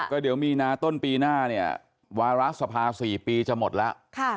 ก็เดี๋ยวมีนาต้นปีหน้าเนี่ยวาระสภา๔ปีจะหมดแล้ว